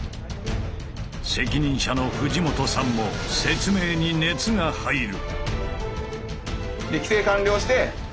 責任者の藤本さんも説明に熱が入る。